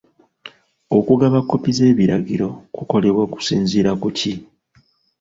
Okugaba kkopi z'ebiragiro kukolebwa kusinziira ku ki?